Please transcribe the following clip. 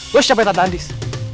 gue siapa yang tahan tahan dis